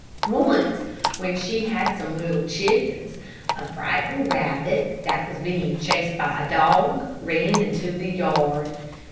Once when she ha$ some little chickens, a frightened rabbit, that was being chased by a dog, ran into the yard.